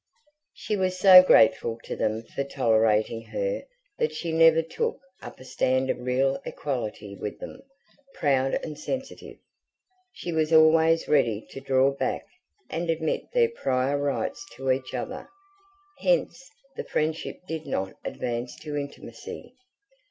She was so grateful to them for tolerating her that she never took up a stand of real equality with them: proud and sensitive, she was always ready to draw back and admit their prior rights to each other; hence the friendship did not advance to intimacy.